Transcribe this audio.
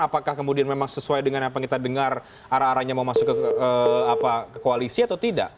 apakah kemudian memang sesuai dengan apa yang kita dengar arah arahnya mau masuk ke koalisi atau tidak